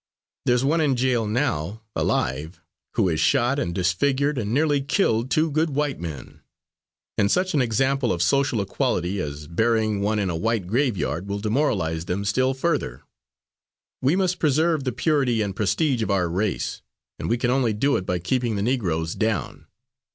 There's one in jail now, alive, who has shot and disfigured and nearly killed two good white men, and such an example of social equality as burying one in a white graveyard will demoralise them still further. We must preserve the purity and prestige of our race, and we can only do it by keeping the Negroes down."